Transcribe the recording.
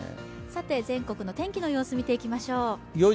さて、全国の天気の様子見ていきましょう。